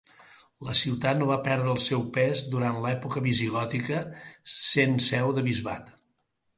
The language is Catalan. La ciutat no va perdre el seu pes durant l'època visigòtica, sent seu de bisbat.